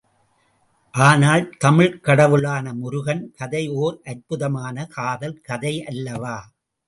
ஆனால் தமிழ்க் கடவுளான முருகன், கதை ஓர் அற்புதமான காதல் கதை அல்லவா?